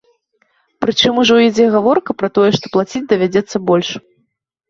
Прычым ужо ідзе гаворка пра тое, што плаціць давядзецца больш.